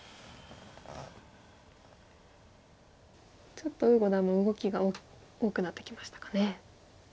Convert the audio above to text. ちょっと呉五段の動きが多くなってきましたかね。